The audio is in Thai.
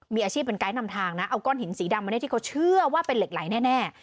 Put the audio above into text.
มีอาชีพเป็นไกด์นำทางนะเอาก้อนหินสีดำมาได้ที่เขาเชื่อว่าเป็นเหล็กไหลแน่